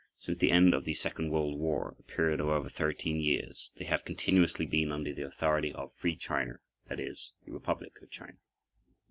Since the end of the Second World War, a period of over 13 years, they have continuously been under the authority of Free China, that is, the Republic of China.